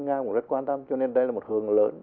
nga cũng rất quan tâm cho nên đây là một hướng lớn